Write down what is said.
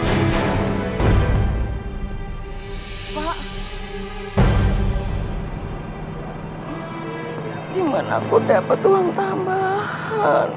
gimana aku dapat uang tambahan